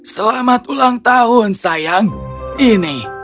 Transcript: selamat ulang tahun sayang ini